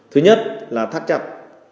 thứ nhất là thắt chặt